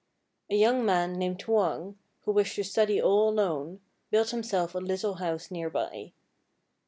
A young man named Hwang, who wished to study all alone, built himself a little house near by.